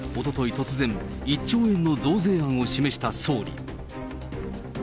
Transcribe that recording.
突然、１兆円の増税案を示した総理。